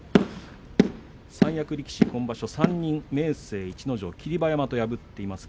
三役力士今場所、３人明生、逸ノ城霧馬山と破っています。